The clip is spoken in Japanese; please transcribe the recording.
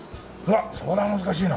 それは難しいな。